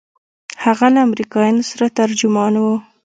هغه له امريکايانو سره ترجمان و.